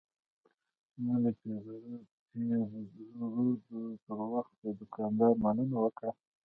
ما د پیرود پر وخت له دوکاندار مننه وکړه.